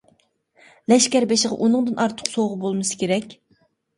لەشكەر بېشىغا ئۇنىڭدىن ئارتۇق سوۋغا بولمىسا كېرەك.